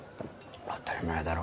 当たり前だろ。